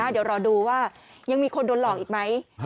เดี๋ยวรอดูว่ายังมีคนโดนหลอกอีกไหม